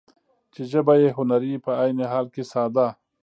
چې ژبه يې هنري په عين حال کې ساده ،